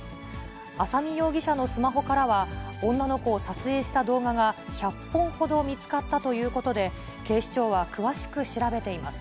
浅見容疑者のスマホからは、女の子を撮影した動画が１００本ほど見つかったということで、警視庁は詳しく調べています。